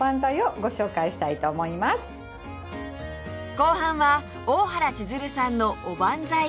後半は大原千鶴さんのおばんざい